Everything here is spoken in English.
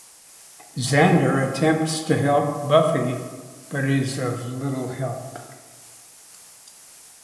Xander attempts to help Buffy but is of little help.